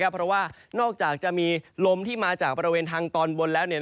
เพราะว่านอกจากจะมีลมที่มาจากบริเวณทางตอนบนแล้ว